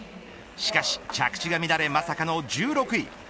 しかし着地が乱れまさかの１６位。